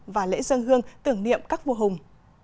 và lễ dân hương tưởng niệm các vua hùng